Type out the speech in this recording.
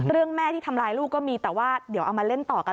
แม่ที่ทำร้ายลูกก็มีแต่ว่าเดี๋ยวเอามาเล่นต่อกัน